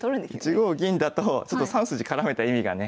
１五銀だと３筋絡めた意味がね。